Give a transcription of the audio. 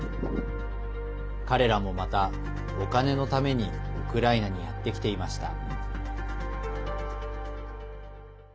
彼らもまた、お金のためにウクライナにやってきていました。